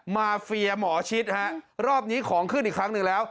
มาเฟียหมอชิดฮะรอบนี้ของขึ้นอีกครั้งหนึ่งแล้ว